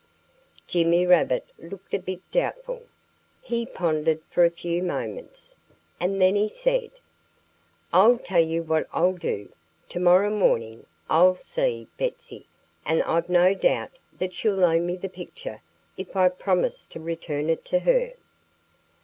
Jimmy Rabbit looked a bit doubtful. He pondered for a few moments. And then he said: "I'll tell you what I'll do! To morrow morning I'll see Betsy and I've no doubt that she'll loan me the picture if I promise to return it to her."